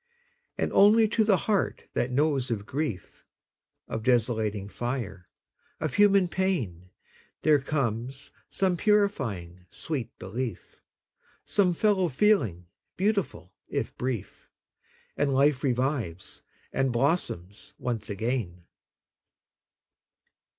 And only to the heart that knows of grief, Of desolating fire, of human pain, There comes some purifying sweet belief, Some fellow feeling beautiful, if brief. And life revives, and blossoms once again.